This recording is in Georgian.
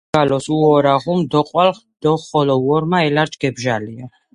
სამარგალოს უორა ღუმ დო ყვალ დო ხოლო უორა ელარჯ გებჟალია.